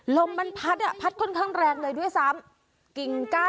ลมมันพัดอ่ะพัดค่อนข้างแรงเลยด้วยซ้ำ